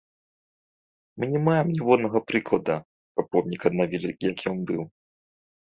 Мы не маем ніводнага прыклада, каб помнік аднавілі як ён быў.